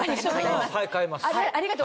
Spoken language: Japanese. はい買います。